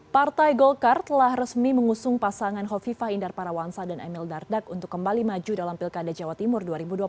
partai golkar telah resmi mengusung pasangan hovifah indar parawansa dan emil dardak untuk kembali maju dalam pilkada jawa timur dua ribu dua puluh